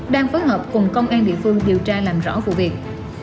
đang phối hợp cùng công an địa phương điều tra làm rõ vụ việc